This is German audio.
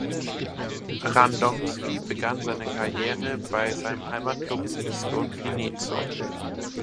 Radomski begann seine Karriere bei seinem Heimatklub Mieszko Gniezno.